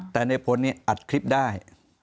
แต่นายพลอัดคลิปได้